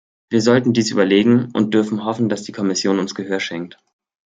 Wir sollten dies überlegen und dürfen hoffen, dass die Kommission uns Gehör schenkt.